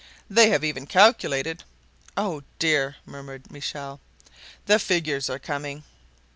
They have even calculated—" "Oh, dear!" murmured Michel, "the figures are coming."